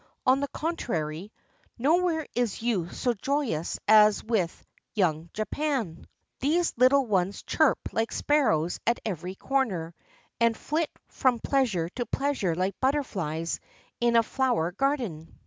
On the contrary, nowhere is youth so joyous as with ''young Japan"; 465 JAPAN these little ones chirp like sparrows at every corner, and flit from pleasure to pleasure like butterflies in a flower garden.